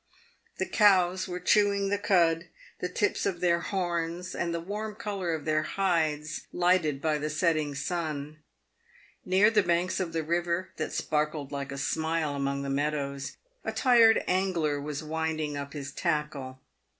The cows were chewing the cud, the tips of their horns and the warm colour of their hides lighted by the setting sun. Near the banks of the river, that sparkled like a smile along the meadows, a tired angler was winding up his tackle.